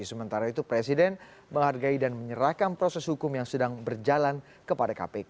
sementara itu presiden menghargai dan menyerahkan proses hukum yang sedang berjalan kepada kpk